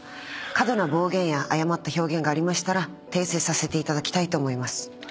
過度な暴言や誤った表現がありましたら訂正させていただきたいと思います。